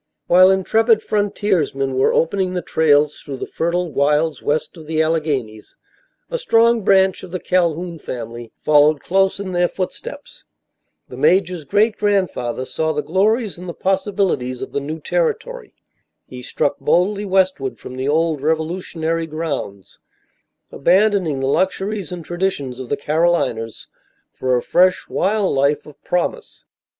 While intrepid frontiersmen were opening the trails through the fertile wilds west of the Alleghanies, a strong branch of the Calhoun family followed close in their footsteps. The major's great grandfather saw the glories and the possibilities of the new territory. He struck boldly westward from the old revolutionary grounds, abandoning the luxuries and traditions of the Carolinas for a fresh, wild life of promise.